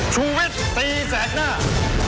สวัสดีครับ